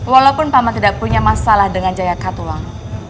walaupun pak man tidak punya masalah dengan jaya katuak